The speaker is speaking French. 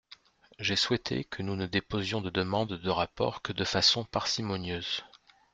J’ai souhaité que nous ne déposions de demandes de rapport que de façon parcimonieuse.